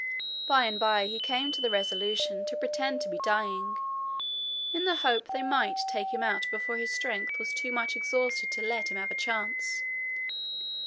By and by he came to the resolution to pretend to be dying, in the hope they might take him out before his strength was too much exhausted to let him have a chance.